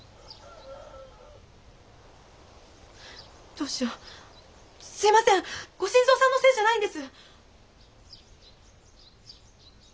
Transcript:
どうしようすいませんご新造さんのせいじゃないんです。